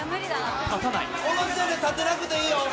この時点で立てなくていいよ！